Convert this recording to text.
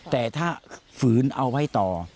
แต่ถ้าฝืนเอาไว้ต่อ